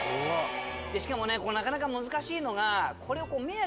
しかもねなかなか難しいのが。